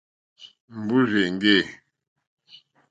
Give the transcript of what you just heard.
Mbúrzà èŋɡê.